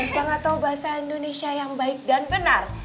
kita nggak tau bahasa indonesia yang baik dan benar